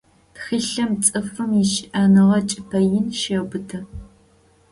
Тхылъым цӏыфым ищыӏэныгъэ чӏыпӏэ ин щеубыты.